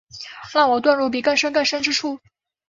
让我遁入比更深更深之处